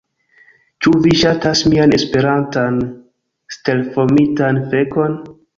Ĉu vi ŝatas mian Esperantan stelformitan fekon?